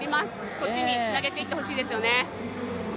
そっちにつなげていってほしいですね。